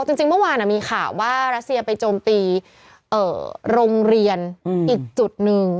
จริงเมื่อวานมีข่าวว่ารัสเซียไปโจมตีโรงเรียนอีกจุดหนึ่ง